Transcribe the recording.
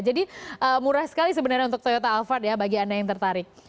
jadi murah sekali sebenarnya untuk toyota alphard ya bagi anda yang tertarik